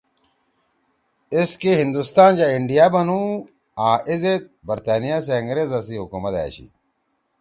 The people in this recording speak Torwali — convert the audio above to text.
ایس کے ہندوستان یا انڈیا بندُو آں ای زید برطانیہ سی انگریزا سی حکومت أشی